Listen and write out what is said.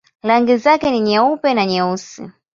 Rangi zake ni nyeupe na nyeusi.